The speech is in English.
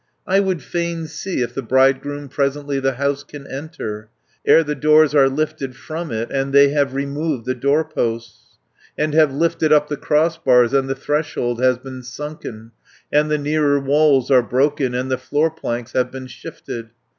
"I would fain see if the bridegroom Presently the house can enter, 120 Ere the doors are lifted from it, And they have removed the doorposts, And have lifted up the crossbars, And the threshold has been sunken, And the nearer walls are broken, And the floor planks have been shifted.